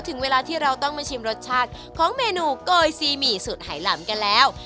ถึงเวลาที่เราต้องมาชิมรสชาติของเมนูโกยซีหมี่สูตรไหลำกันแล้ว